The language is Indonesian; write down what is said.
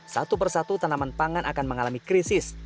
satu persatu tanaman pangan akan mengalami krisis